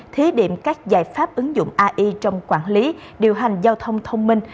thí điểm các giải pháp ứng dụng ai trong quản lý điều hành giao thông thông minh